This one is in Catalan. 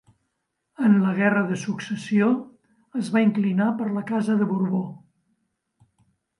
En la guerra de Successió es va inclinar per la casa de Borbó.